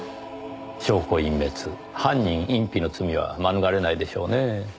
証拠隠滅犯人隠避の罪は免れないでしょうねぇ。